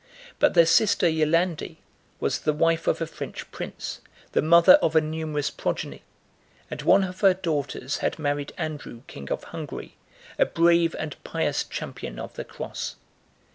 But their sister Yolande was the wife of a French prince, the mother of a numerous progeny; and one of her daughters had married Andrew king of Hungary, a brave and pious champion of the cross.